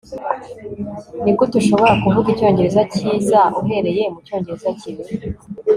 nigute ushobora kuvuga icyongereza cyiza uhereye mucyongereza kibi